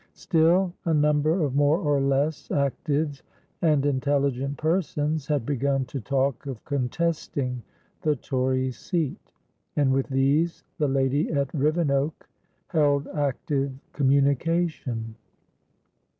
Still, a number of more or less active and intelligent persons had begun to talk of contesting the Tory seat, and with these the lady at Rivenoak held active communication.